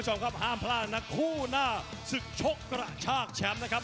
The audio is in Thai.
ห้ามพลาดนักคู่หน้าสึกชกกระชากแชมป์